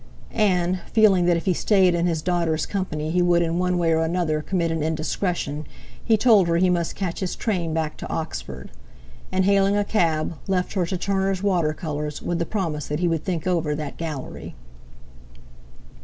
And, feeling that if he stayed in his daughter's company he would in one way or another commit an indiscretion, he told her he must catch his train back to Oxford; and hailing a cab, left her to Turner's water colours, with the promise that he would think over that Gallery.